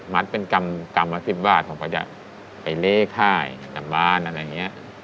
มัดเป็นกำลัง๑๐บาทผมก็จะไปเล่ค่ายทำบานอะไรอย่างนี้